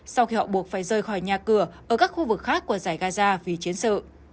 sau khi họ buộc phải rời khỏi nhà cửa ở các khu vực khác của giải gaza vì chiến sự